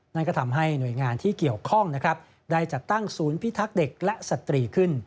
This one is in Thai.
นั่นก็ทำให้หน่วยงานที่เกี่ยวข้องนะครับได้จัดตั้งศูนย์พิทักษ์เด็กและสตรีขึ้น